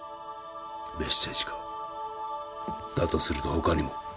メッセージかだとすると他にも